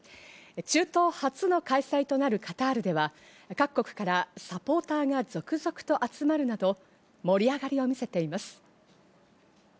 中東初の開催となるカタールでは、各国からサポーターが続々と集まるなど、盛り上がりを見せています。